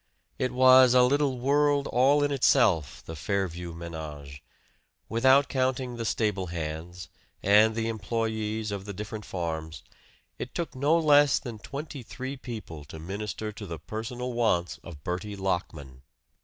It was a little world all in itself, the "Fairview" menage. Without counting the stable hands, and the employees of the different farms, it took no less than twenty three people to minister to the personal wants of Bertie Lockman.